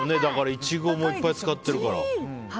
イチゴもいっぱい使ってるから。